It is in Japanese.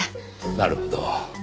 なるほど。